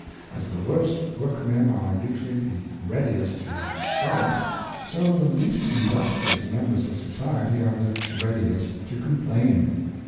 As the worst workmen are usually the readiest to "strike," so the least industrious mem bers of society are the readiest to complain.